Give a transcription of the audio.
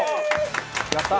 やったー！